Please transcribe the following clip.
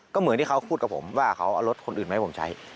ก็เหมือนที่เขาพูดกับผมว่าเขาเอารถคนอื่นมาให้ผมใช้